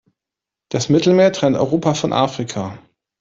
Das Mittelmeer trennt Europa von Afrika.